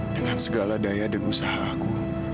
dengan segala daya dan usaha aku